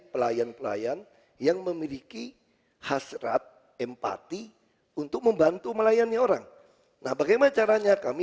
pelayan pelayan yang memiliki hasrat empati untuk membantu melayani orang nah bagaimana caranya kami